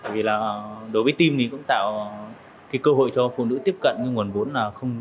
vì là đối với team thì cũng tạo cái cơ hội cho phụ nữ tiếp cận cái nguồn vốn là không